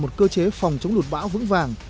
một cơ chế phòng chống lụt bão vững vàng